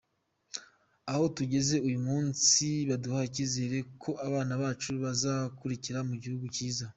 Aho tugeze uyu munsi haduha icyizere ko abana bacu bazakurira mu gihugu cyiza.